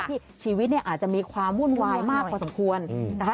ที่ชีวิตเนี่ยอาจจะมีความวุ่นวายมากพอสมควรนะคะ